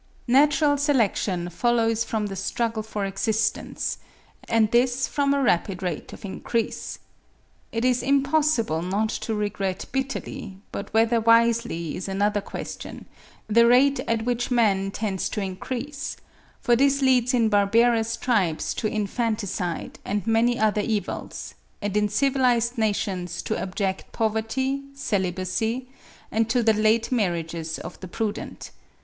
Natural selection follows from the struggle for existence; and this from a rapid rate of increase. It is impossible not to regret bitterly, but whether wisely is another question, the rate at which man tends to increase; for this leads in barbarous tribes to infanticide and many other evils, and in civilised nations to abject poverty, celibacy, and to the late marriages of the prudent.